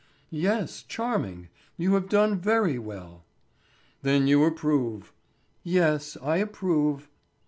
"Yes, charming. You have done very well." "Then you approve?" "Yes, I approve."